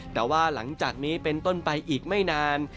แต่ว่าหลังจากนี้เป็นต้นไปอีกไม่นาน